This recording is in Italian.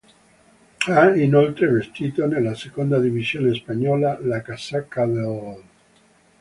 Ha inoltre vestito, nella seconda divisione spagnola, la casacca dell'.